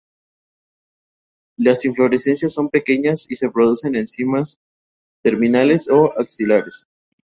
Las inflorescencias son pequeñas y se producen en cimas terminales o axilares.